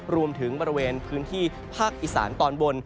รวมถึงบริเวณพื้นที่ภาคอิสานตอนบน